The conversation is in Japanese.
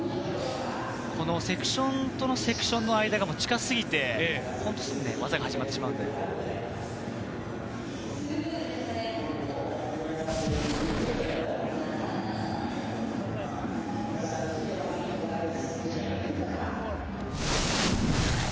セクションとセクションの間が近すぎて、すぐ技が始まりますから。